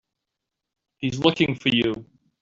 He's looking for you.